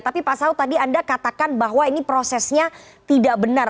tapi pak saud tadi anda katakan bahwa ini prosesnya tidak benar